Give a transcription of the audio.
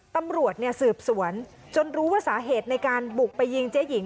ตำรวจสืบสวนจนรู้ว่าสาเหตุในการบุกไปยิงเจ๊หญิง